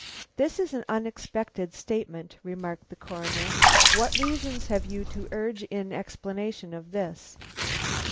"This is an unexpected statement," remarked the Coroner. "What reasons have you to urge in explanation of it?"